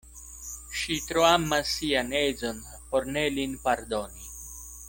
Ŝi tro amas sian edzon por ne lin pardoni.